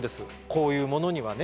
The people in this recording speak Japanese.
こういうものにはね。